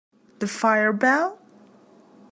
The fire bell?